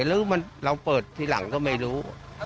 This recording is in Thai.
แล้วมันเราเปิดที่หลังก็ไม่รู้